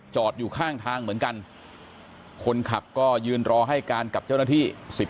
อยู่ข้างทางเหมือนกันคนขับก็ยืนรอให้การกับเจ้าหน้าที่สิบ